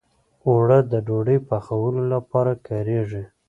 اوړه د ډوډۍ پخولو لپاره کارېږي